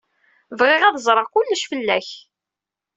Bɣiɣ ad ẓreɣ kullec fell-ak.